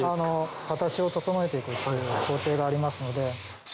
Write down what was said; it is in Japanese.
形を整えていく工程がありますので。